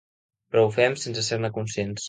Però ho fem sense ser-ne conscients.